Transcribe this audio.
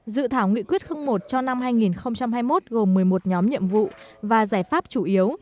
dự thảo nghị quyết một cho năm hai nghìn hai mươi một gồm một mươi một nhóm nhiệm vụ và giải pháp chủ yếu